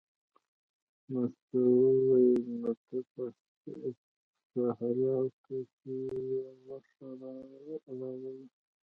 مستو وویل نو ته پسه حلال که چې یې غوښه راوړې.